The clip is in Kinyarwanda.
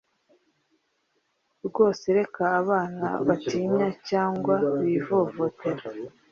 rwose Reka abana batinya cyangwa bivovotera